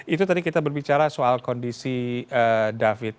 itu tadi kita berbicara soal kondisi david